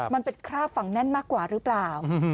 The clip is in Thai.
มันเป็นคราบฝั่งแน่นมากกว่าหรือเปล่า